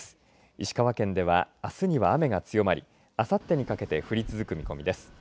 石川県ではあすには雨が強まりあさってにかけて降り続く見込みです。